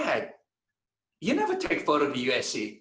kamu tidak pernah mengambil foto di usc